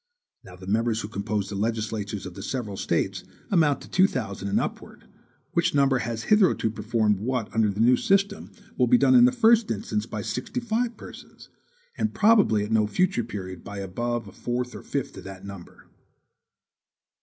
Now the members who compose the legislatures of the several States amount to two thousand and upwards, which number has hitherto performed what under the new system will be done in the first instance by sixty five persons, and probably at no future period by above a fourth or fifth of that number.